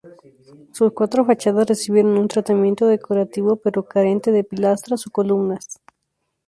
Sus cuatro fachadas recibieron un tratamiento decorativo, pero carente de pilastras o columnas.